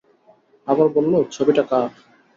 আবার বলল, ছবিটা কার?